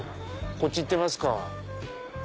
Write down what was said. こっち行ってみますか。